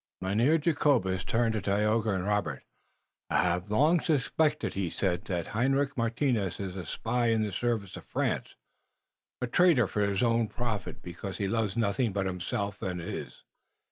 Mynheer Jacobus turned to Tayoga and Robert. "I haf long suspected," he said, "that Hendrik Martinus iss a spy in the service of France, a traitor for his own profit, because he loves nothing but himself und his.